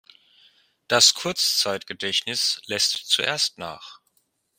Das Kurzzeitgedächtnis lässt zuerst nach.